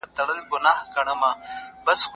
خالي کړي له بچو یې ځالګۍ دي